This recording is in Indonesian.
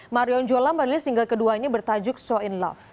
marion jola merilis single keduanya bertajuk so in love